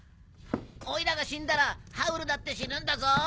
オイラが死んだらハウルだって死ぬんだぞ！